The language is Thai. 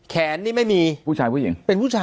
แขนนี่ไม่มีผู้ชายผู้หญิง